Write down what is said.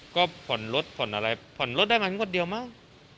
ก็ผ่อนรถผ่อนรถได้มากนิดหนึ่งกว่าเดียวมาก